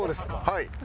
はい。